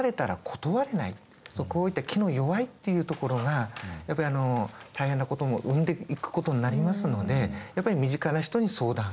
こういった気の弱いっていうところがやっぱり大変なことも生んでいくことになりますのでやっぱり身近な人に相談する。